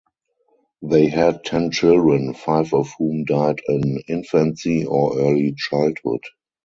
They had ten children, five of whom died in infancy or early childhood.